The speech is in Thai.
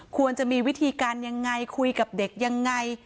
ควรจะมีวิธีการยังไงคุยกับเด็กยังไง